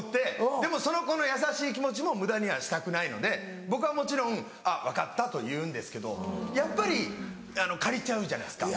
でもその子の優しい気持ちも無駄にはしたくないので僕はもちろん「分かった」と言うんですけどやっぱり借りちゃうじゃないですか。